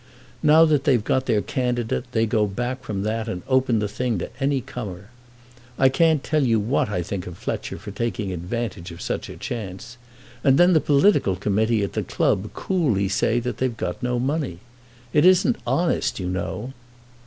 Now that they've got their candidate, they go back from that and open the thing to any comer. I can't tell you what I think of Fletcher for taking advantage of such a chance. And then the political committee at the club coolly say that they've got no money. It isn't honest, you know."